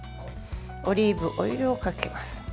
オリーブオイルをかけます。